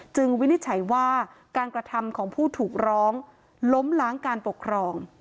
วินิจฉัยว่าการกระทำของผู้ถูกร้องล้มล้างการปกครอง